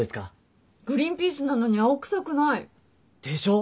グリーンピースなのに青臭くない。でしょ？